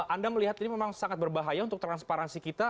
anda melihat ini memang sangat berbahaya untuk transparansi kita